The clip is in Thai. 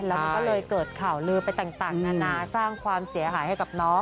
แล้วมันก็เลยเกิดข่าวลือไปต่างนานาสร้างความเสียหายให้กับน้อง